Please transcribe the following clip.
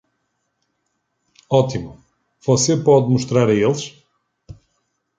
Ótimo, você pode mostrar a eles?